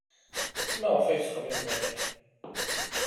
Maɣef ay ttxemmimen akka?